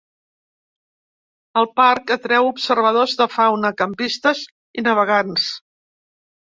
El parc atreu observadors de fauna, campistes i navegants.